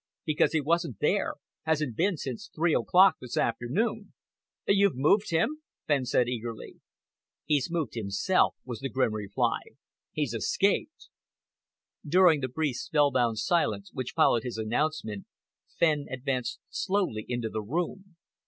"Because he wasn't there, hasn't been since three o'clock this afternoon." "You've moved him?" Furley asked eagerly. "He's moved himself," was the grim reply. "He's escaped." During the brief, spellbound silence which followed his announcement, Fenn advanced slowly into the room.